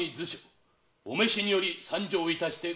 お召しにより参上いたしてございまする。